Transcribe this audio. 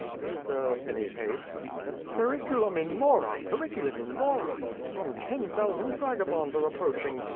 "Is there any haste?" ^'Perinihim in mora! Periculum in mora! Some ten thousand vagal3onds are approaching.